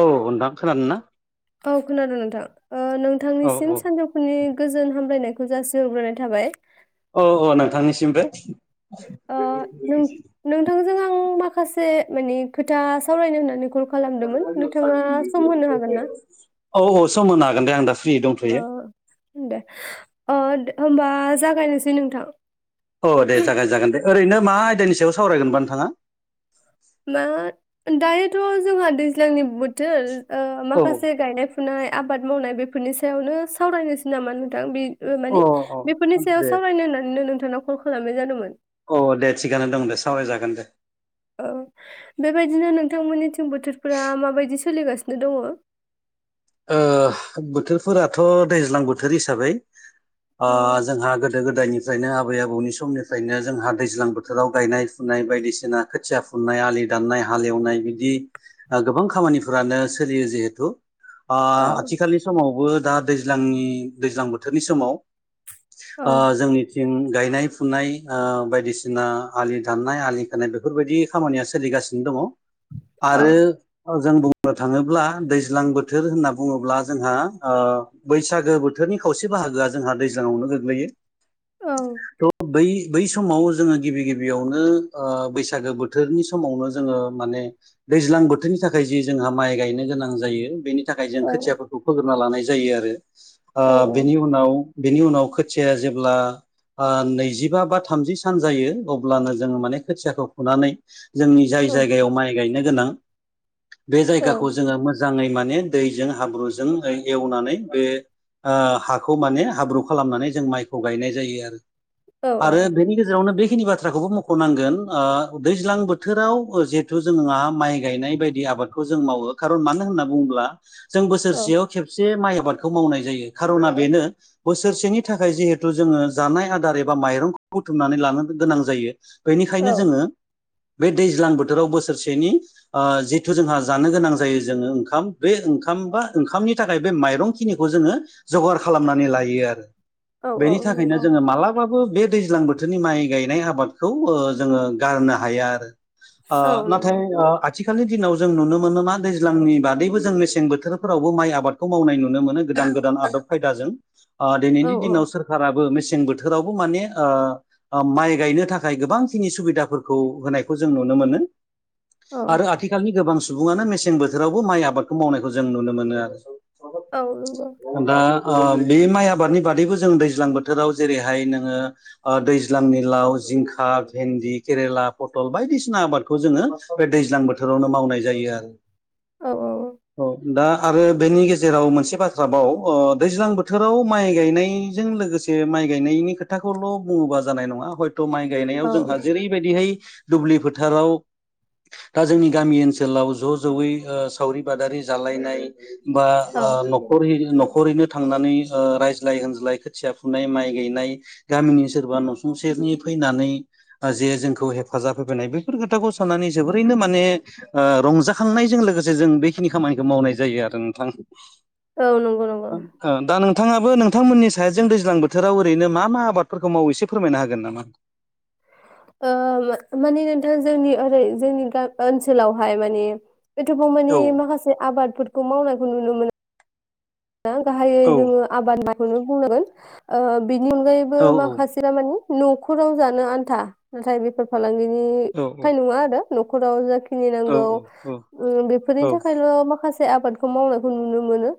औव नोंथां खोनादोंना। औव खोनादों नोंथां ओ औ औ नोंथांनिसिम सानजौफुनि गोजोन हामलायनायखौ थोजासे हरग्रोनाय थाबाय। अ औव नोंथांनिसिमबो। ओ नों नोंथांजों आं [unintelligible] नोंथाङा सम होनो हागोन ना [inaudible] अ दे अ होनबा जागायनोसै नोंथां। अ दे जागाय जागोन दे ओरैनो मा आयदानि सायाव सावरायगोनबा नोंथाङा। मा दायोथ' जोंहा दैज्लांनि बोथोर ओ औ माखासे गायनाय फुनाय आबाद मावनाय बेफोरनि सायावनो सावरायनोसै नामा नोंथां बे ओ अ माने बेफोरनि अ सायाव दे सावरायनो होननानैनो नोंथांनाव कल खालामनाय जादोंमोन। अ दे थिगानो दं दे सावरायजागोन दे। औव बेबायदिनो नोंथांमोननिथिं बोथोरफोरा माबायदि सोलिगासिनो दङ। [unintelligible] ओ बोथोरफोराथ' दैज्लां बोथोर हिसाबै ओ औ जोंहा गोदो गोदायनिफ्रायनो आबै आबौनि समनिफ्रायनो जोंहा दैज्लां बोथोराव गायनाय फुनाय फुनाय बायदिसिना खोथिया फुनाय आलि दाननाय हालेवनाय बिदि गोबां खामानिफ्रानो सोलियो जिहेथु ओ औ आथिखालनि समावबो दा दैज्लांनि दैज्लां बोथोरनि समाव औ ओ जोंनिथिं गायनाय फुनाय ओ बायदिसिना आलि दाननाय आलि खोनाय बेफोरबायदि खामानिया सोलिगासिनो दं। दङ औ आरो जों बुंनो थाङोब्ला दैज्लां बोथोर बोथोर होनना बुङोब्ला जोंहा ओ बैसागो बोथोरनि खावसे बाहागोआ जोंहा दैज्लांआवनो गोग्लैयो। औ औव बै बै समाव जोङो गिबि गिबियावनो ओ बैसागो बोथोरनि समावनो जोङो माने दैज्लां बोथोरनि थाखाय जि जोंहा माइ गायनो गोनां जायो बेनि नि थाखाय जों औ खोथियाफोरखौ फोग्रोना लानाय जायो आरो औ ओ बेनि उनाव बेनि उनाव खोथिया जेब्ला ओ नैजिबा बा थामजि सान जायो अब्लानो जोङो माने खोथियाखौ फुनानै जोंनि जाय औ जायगायाव माइ गायनो गोनां बे जायगाखौ जोङो मोजाङै माने दैजों हाब्रुजों एवनानै बे आ हाखौ माने हाब्रु खालामनानै जों माइखौ गायनाय जायो आरो आरो बेनि गेजेरावनो बे बेखिनि बाथ्राखौबो मख'नांगोन ओ दैज्लां बोथोराव जिहेथु जोंहा माइ गायनाय बायदि आबादखौ जों मावो कारन मानो होनना बुङोब्ला जों बोसोरसेयाव खेबसे माइ आबादखौ मावनाय जायो खार'ना बेनो बोसोरसेनि थाखाय जिहेथु जोङो जानाय आदार एबा माइरंखौ बुथुमनानै लानो गोनां जायो औ बेनिखायनो जोङो बे दैज्लां बोथोराव बोसोरसेनि ओ जिथु जोंहा जानो गोनां जायो जोङो ओंखाम बे ओंखाम बा ओंखामनि थाखाय बे माइरंखिनिखौ जोङो जगार खालामनानै लायो आरो औ औ बेनि थाखायनो नंगौ जोङो मालाबाबो थेवबो बे दैज्लां बोथोरनि माइ गायनाय आबादखौ जोङो गारनो हाया आरो औ ओ नंगौ नाथाय आथिखालनि दिनाव जों नुनो मोनोना दैज्लांनि बादैबो जों जों मेसें बोथोरफोरावबो माइ आबादखौ मावनाय नुनो मोनो गोदान गोदान आदब खायदाजों ओ औ दिनैनि दिनाव सोरखाराबो मेसें सें बोथोरावबो माने ओ ओ माइ गायनो थाखाय गोबां खिनि सुबिदाफोरखौ होनायखौ जों नुनो मो मोनो आरो आथिखालनि गोबां सुबुङानो मेसें बोथोरावबो माइ आबादखौ मावनायखौ जों नुनो मोनो आरो औ नंगौ दा ओ बे माइ आबादनि बादैबो जों दैज्लां बोथोराव जेरैहाय नोङो ओ दैज्लांनि लाव जिंखा भेन्दि केरेला पटल बायदिसिना आबादखौ जोङो बे दैज्लां बोथोरावनो मावनाय जायो आरो औ औ दा आरो बेनि गेजेराव मोनसे बाथ्राबाव अ दैज्लां बोथोराव माइ गायनाय नाय जों लोगोसे माइ गायनायनि खोथाखौल' बुङोबा जानाय नङा हय थ' माइ गायनायाव औ जोंहा जेरैबायदिहाय दुब्लि फोथाराव दा जोंनि गामि ओनसोलाव ज' ज'यै ओ सावरि बादारि जालायनायबा औ ओ नखरै नख खरैनो थांनानै ओ रायज्लाय होनज्लाय खोथिया फुनाय माइ गायनाय गामिनि सोरबा नसुंसे नि फैनानै जे जोंखौ हेफाजाब होफैनाय बेफोर खोथाखौ साननानै जोबोरैनो माने ओ रंजाखांनायजों लोगोसे जों बेखिनि खामानिखौ मावनाय जायो आरो नोंथां औ नंगौ नंगौ ओ दा नोंथाङाबो नोंथांमोननि साजों दैज्लां बोथोराव ओरैनो मा मा आबादफोरखौ मावो इसे फोरमायनो हागोन नामा? [inaudible] ओ मा मानि नोंथां जोंनि ओरै जोंनि गा ओनसोलावहाय माने औ एथ'बांमानि माखासे आबादफोरखौ मावनायखौ नुनो मोनो गाहायै औ जोङो आबाद माइखौनो बुंनांगोन ओ बेनि अनगायैबो औ माखासे दामानि न'खराव जानो आन्था नाथाय बेफोर औ फालांगिनिखाय नङा आरो न'खराव जा औ खिनिनांगौ औ उम बेफोरनि थाखायल' माखासे आबादखौ मावनायखौ नुनो मोनो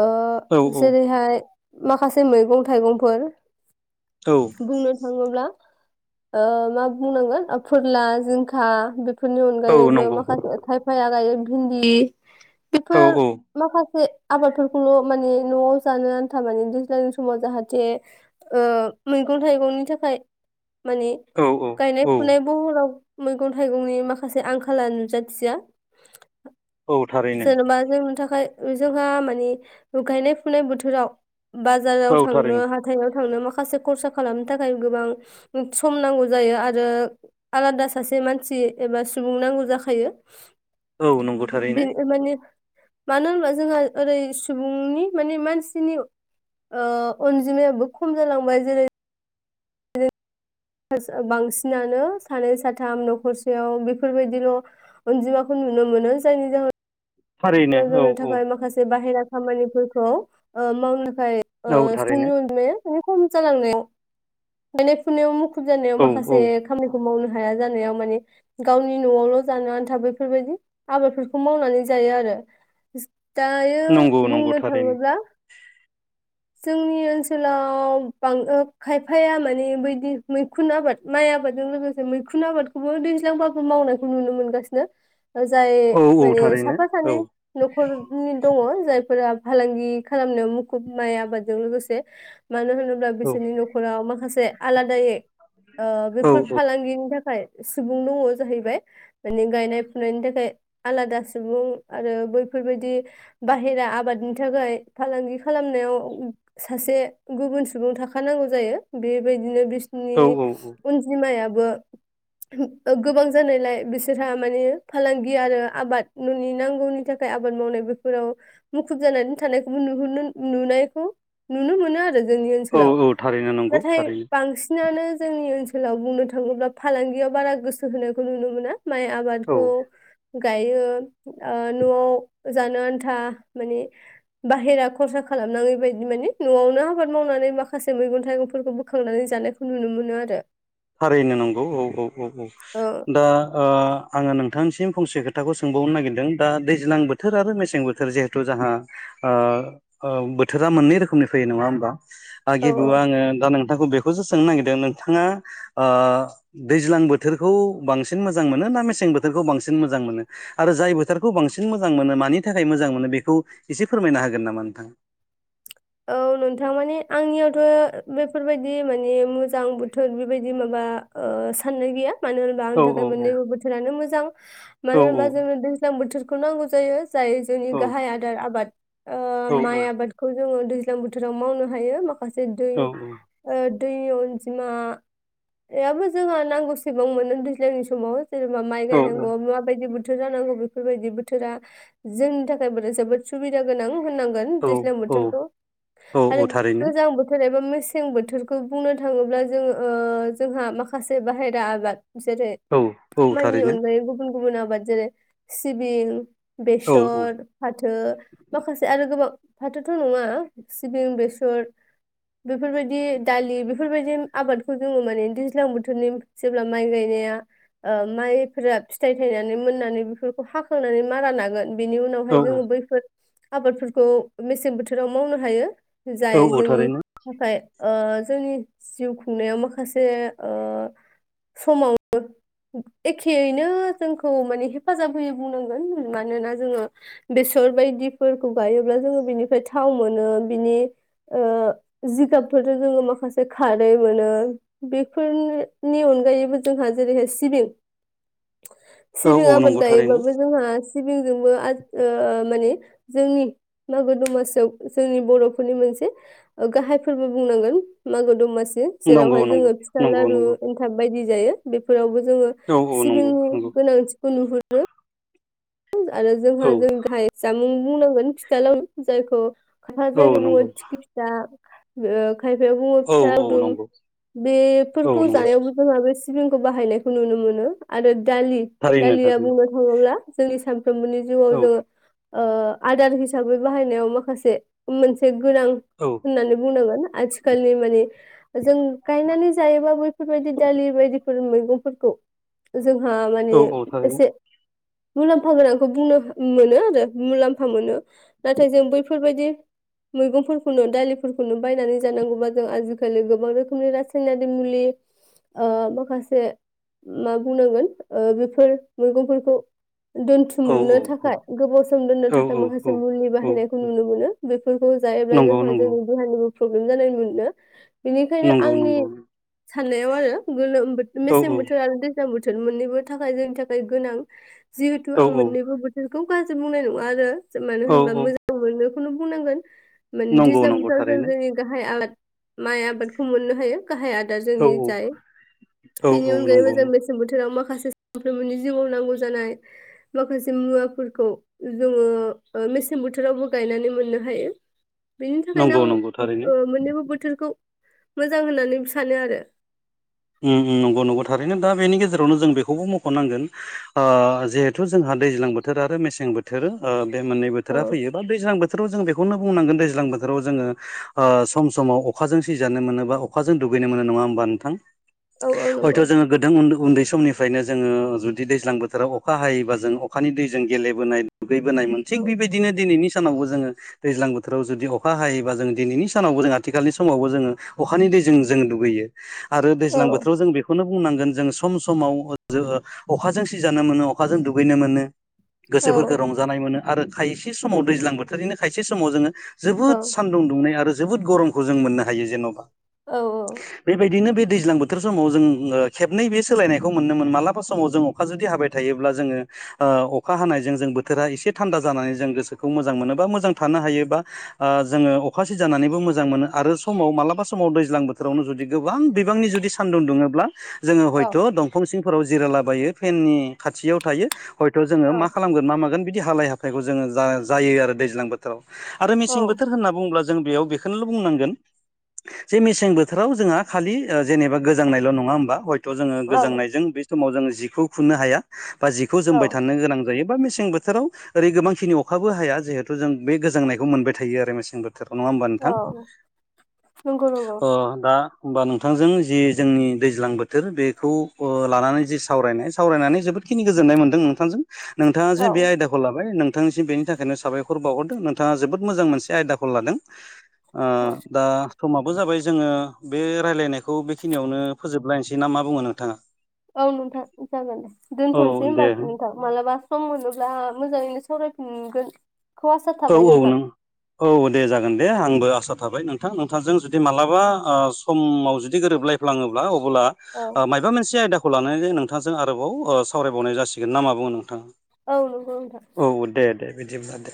ओ औ जेरैहाय माखासे मैगं थाइगंफोर औ बुंनो थाङोब्ला ओ मा बुंनांगोन फोरला जिंखा बे फोरनि औ अनगायैबो नंगौ माखासे थायफाया गायो भिन्दि औ बेफोर औ माखासे आबादफोर खौल' माने न'आव जानो आन्था माने दैज्लांनि समाव जाहाथे ओ मैगं थाइगं नि थाखाय माने औ औ गायनाय औ फुनाय बहराव मैगं थाइगंनि माखासे आंखाला नुजाथिया औ थारैनो जेन'बा जोंनो थाखाय जोंहा मानि उ गायनाय फुनाय बोथोराव बाजाराव औ थारैनो थांनो हाथायाव थांनो माखासे खरसा खालामनो थाखाय गोबां सम नांगौ जायो आरो आलादा सासे मानसि एबा सुबुं नांगौ जाखायो औ नंगौ [inaudible] थारैनो बे माने मानो होनबा जोंङा ओरै सुबुंनि माने मानसिनि ओ अनजिमायाबो खम जालांबाय जेरै बांसिनानो सानै साथाम न'खरसेयाव बेफोरबायदिल' अनजिमाखौ नुनो मोनो जायनि थारैनो औ जाहोनाव [unintelligible] औ थाखाय माखासे बाहेरा खामानिफोरखौ ओ मावनो थाखाय ओ औ थारैनो सुबुंनि अनजिमाया दिनो खम जालांनायाव गायनाय फुनायाव मुखुब जानायाव औ माखासे औ खामानिखौ मावनो हाया जानायाव माने गावनि न'आवल' जानो आन्था बेैफोरबायदि आबादफोरखौ मावनानै जायो आरो दायो नंगौ नंगौ बुंनो थारैनो थाङोब्ला जोंनि ओनसोलाव बां ओ खायफाया माने बैदि मैखुन आबाद माइ आबादजों लोगोसे मैखुन आबादखौबो दैज्लांबाबो मावनायखौ नुनो मोनगासिनो। जाय औ औ माने थारैनो साफा सानै औ न'खरनि दङ जायफोरा फालांगि खालामनायाव मुखुब माइ आबादजों लोगोसे मानो होनोब्ला औ बिसोरनि न'खराव माखासे आलादायै ओ औ बेफोर फालांगिनि थाखाय सुबुं दङ जाहैबाय माने गायनाय फुनायनि थाखाय आलादा सुबुं आरो बैफोरबायदि बाहेरा आबादनि थाखाय फालांगि खालामनायाव सासे गुबुन सुबुं थाखानांगौ जायो बेबायदिनो बिसिनि औ अनजिमायाबो गोबां जानायलाय बिसोरहा माने फालांगि आरो आबाद न'नि नांगौनि था खाय आबाद मावनाय बेफोराव मुखुब जानानै थानायखौबो नुहुरनो नुनायखौ नुनो मोनो आरो जोंनि औ ओनसोलाव औ थारैनो नंगौ नाथाय थारैनो बांसिनानो जोंनि ओनसोलाव बुंनो थाङोब्ला फालांगियाव बारा गोसो होनायखौ नुनो मोना। माइ आबादखौ औ गायो ओ न'आव जानोआन्था माने बाहेरा खरसा खालामनाङै बायदि माने न'आव नो आबाद मावनानै माखासे मैगं थाइगंफोरखौ बोखांनानै जानायखौ नुनो मोनो आरो। थारैनो नांगौ औ औ औ औ दा ओ आंङो नोंथांनिसिम फंसे खोथाखौ सोंबावनो नागिरदों दा दैज्लां बोथोर आरो मेसें बोथोर जिहेथु जाहा ओ ओ बोथोरा मोननै रोखोमनि फैयो नंङा होमबा? ओ औ गिबियाव औ आंङो दा नोंथांखौ बेखौसो सोंनो नागिरदों नोंथांङा ओ दैज्लां बोथोरखौ बांसिन मोजां मोनो ना मेसें बोथोरखौ बांसिन मोजां मोनो? आरो जाय बोथारखौ बांसिन मोजां मोनो मानि थाखाय मोजां मोनो बेखौ एसे फोरमायना होगोन नामा नोंथां? [inaudible] औ नोंथां माने आंनियावथ' बेफोरबायदि माने मोजां बोथोर बेबायदि माबा बा ओ साननाय गैया। मानो होनबा आंनि औ औ थाखाय मोननैबो बोथोरानो मोजां औ मानो होनबा जोंनो दैज्लां बोथोरखौ नांगौ जायो। जाय जोंनि औ गाहाय आदार आबाद ओ औ माइ आबादखौ जोङो दैज्लां बोथोराव मावनो हायो माखासे दै औ ओ दैनि अनजिमायाबो जोंहा नांगौसेबां मोनो दैज्लांनि समाव। जेनेबा माइ गायनांगौआव माबायदि बोथोर जानांगौ बेफोरबायदि बोथोरा जोंनि थाखाय जोबोद सुबिदा गोनां। होननांगोन औ दैज्लां औ बोथोरखौ औ आरो थारैनो गोजां बोथोर एबा‌ मे सें बोथोरखौ बुंनो थांङोब्ला जोङो ओ जों माखासे बाहेरा आबाद जेरै औ औ माइनि थारैनो अनगायै गुबुन गुबुन आबाद जेरै सिबिं औ बेसर फाथो माखासे आरो गोबां फाथो थ' नंङा सिबिं बेसर बेफोरबायदि दालि बेफोरबायदि आबादखौ जोङो माने दैज्लां बोथोरनि जेब्ला माइ गायनाया ओ माइफोरा फिथाइ थायनानै मोननानै बेफोरखौ हाखांनानै मारा नागोन बेनि औ उनावहाय जोङो बैफोर आबादफोरखौ मेसें बोथोराव मावनो हायो। जाय औ जोंनि थारैनो थाखाय ओ जोंनि जिउ खुंनायाव माखासे ओ समावबो एखेयैनो जोंखौ माने हेफाजाब होयो बुंनांगोन मानोना जोङो बेस सर बायदिफोरखौ गायोब्ला जोङो बिनिफ्राय थाव मोनो बिनि ओ जिगाबफोरजों जोङो माखासे खारै मोनो बेफोरनि नि अन गायैबो जोंहा जेरैहाय सिबिं औ सिबिं औ आबाद नंगौ थारैनो गायोबाबो जोंहा सिबिंजोंबो आज ओ माने जोंनि मागो दमासि जोंनि बर'फोरनि मोनसे गाहाय फोरबो बुंनांगोन मागो दमासि नंगौ जेरावहाय जोङो नंगौ फिसा नंगौ लारु नंगौ एनथाब बायदि जायो बेफोरावबो जोङो औ औ सिबिं नंगौ नंगौ गोनांथिखौ नुहुरो। आरो जोंहा औ जों गाहाय जामुं बुंनांगोन फिथा लावदुम जायखौ खायफा औ जायगायाव बुंङो नंगौ थिख्लि फिथा ओ खायफाया बुंङो औ फिथा औ लाउदुम नंगौ औ बेफोरखौ नंगौ जानायावबो जोंहा बे सिबिंखौ बाहायनायखौ नुनो मोनो आरो दालि थारैनो दालिया थारैनो बुंनो थांङोब्ला जोंनि सान फ्रोमबोनि जिउआव औ जोंङो ओ आदार हिसाबै बाहायनायाव माखासे मोनसे गोनां औ होननानै बुंनांगोन आथिखालनि माने जों गायनानै जायोबा बैफोरबायदि दालि बाय दिफोर मैगंफोरखौ जोंहा माने औ औ थारैनो एसे मुलाम्फा गोनांखौ बुंनो मोनो आरो मुलाम्फा मोनो नाथाय जों बैफोरबायदि मैगंफोरखौनो दालिफोरखौनो बायनानै जानांगौबा जों आजिखालि गोबां रोखोमनि रासायनारि मुलि बे ओह माखासे मा बुंनांगोन ओ बेफोर मैगंफोरखौ औ दोनथुमनो औ थाखाय गोबाव सम दोननो औ थाखाय औ माखासे मुलि औ बाहायनायखौ नुनो मोनो बेफोरखौ जायोब्ला नंगौ जोंहा नंगौ जोंनि देहानिबो प्रब्लेम जानाय मोनो। बेनिखायनो नंगौ आंनि नंगौ साननायाव आरो गोलोम बोथ औ मेसें बोथोर आरो दैज्लां बो थोर मोननैबो थाखाय जोंनि थाखाय गोनां जिहेथु औ आं औ मोननैबो बोथोर खौ गाज्रि बुंनाय नङा आरो मानो औ होनोबा औ मोजां मोनोखौनो बुंनांगोन। माने नंगौ दैज्लां नंगौ बोथोराव जों थारैनो जोंनि गाहाय आबाद माइ आबादखौ मोननो हायो गाहाय आदार औ जोंनि जाय औ बेनि औ अनगायैबो नंगौ जों मेसें बोथोर जेराव माखासे सामफ्रोमनि जिउआव नांगौ जानाय माखासे मुवाफोरखौ जोङो ओ मेसें बोथोरावबो गायनानै मोननो हायो। बेनि थाखायनो नंगौ आं नंगौ थारैनो ओ मोननैबो बोथोरखौ मोजां होननानै सानो आरो। उम नंगौ नंगौ थारैनो दा बेनि गेजेरावनो जों बेखौबो मख'नांगोन ओ जिहेथु जोंहा दैज्लां बोथोर आरो मेसें बोथोर ओ बे मोननै औ बोथोरा फैयो बा दैज्लां बोथ थोराव जों बेखौनो बुंनांगोन दैज्लां बोथोराव जोङो ओ सम समाव अखाजों सिजानो मोनोबा अखाजों दुब गैनो मोनो नङा होमबा नोंथां औ औ हयथ' नंगौ जोङो गोदो उन्दु उन्दै समनिफ्रायनो जोङो जुदि दैज्लां बोथोराव अखा हायोबा जों अखानि दैजों गेलेबोनाय गैबोनाय मोनसे थिक बेबायदिनो दिनैनि समावबो जोङो दैज्लां बोथोराव जुदि अखा हायोबा जों दिनैनि सानावबो जों आथिखालनि समावबो जोङो अखानि दै जों जों दुगैयो आरो दैज्लां बोथोराव जों बेखौनो बुंनांगोन जों सम समाव ओ जो अखाजों सिजानो मोनो अखाजों दुगैनो मोनो। गोसोफोरखौ रंजानाय मोनो आरो खायसे समाव दैज्लां बोथोरनिनो खायसे समाव जोङो जोबोद सानदुं दुंनाय आरो जोबोद गरमखौ जों मोननो हायो जेन'बा बेबायदिनो बे थोर समाव जों खेबनै बे सोलायनायखौ मोनोमोन मालाबा समाव जों अखा जुदि हाबाय थायोब्ला जोङो ओ अखा हानायजों जों बोथोरा एसे थान्दा जानानै जों गोसोखौ मोजां मोनोबा मोजां थानो हायोबा ओ जोङो अखा सिजानानैबो मोजां मोनो आरो समाव मालाबा समाव दैज्लां बोथोरावनो जुदि गोबां बिबांनि जुदि सान्दुं दुङोब्ला जोङो हयथ' दंफां सिंफोराव जिरायलाबायो फेन खाथियाव थायो। हयथ' जोङो मा खालामगोन मा मागोन बिदि हालाय हाफायखौ जोङो जा जायो आरो दैज्लां बोथोराव। आरो मेसें बोथोर होनना बुङोब्ला जों बेयाव बेखौनोल' बुंनांगोन जे मेसें बोथोराव जोंहा खालि ओ जेनेबा गोजांनायल' नङा होमबा हयथ' जोङो गोजांनायजों बे समाव जोङो जिखौ खुनो हाया। बा जिखौ जोमबाय थानो गोनां जायो। बा मेसें बोथोराव ओरै गोबांखिनि अखाबो हाया जिहेतु जों बे गोजांनायखौ मोनबाय थायो आरो मेसें बो थोर नङा होमबा नोंथां नंगौ नंगौ ओह दा होमबा नोंथांजों जि जोंनि दैज्लां बोथोर बेखौ लानानै जि सावरायनाय सावरायनानै जोबोदखिनि गोजोननाय मोनदों नोंथांजों। नोंथाङा औ जे बे आयदाखौ लाबाय नों थांनिसिम बेनि थाखायनो साबायखर बावहरदों नोंथाङा जोबोद मोजां मोनसे आयदाखौ लादों। ओ औ दा समाबो जाबाय जोङो बे रायलायनायखौ बे खिनियावनो फोजोबलायनोसै ना मा बुङो नोंथाङा? औ नोंथां जागोन दे औ दोनथ'नोसै होनबा दे नोंथां मालाबा सम मोनो ब्ला मोजाङैनो सावरायफिनगोन। औ औ नों औ दे जागोन। दे आंबो आसा थाबाय नोंथां नोंथांजों जुदि मालाबा ओ समाव जुदि गोरोबलायफ्लाङोब्ला अब्ला औ माबा मोनसे आयदाखौ लानानै नोंथांजों आरोबाव ओ सावरायबावनाय जासिगोन ना मा बुङो नोंथां? औ नोंथां दे। बिदिब्ला दे